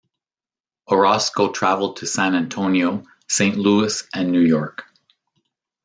Orozco traveled to San Antonio, Saint Louis and New York.